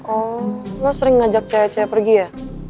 oh lo sering ngajak cewek cewek pergi ya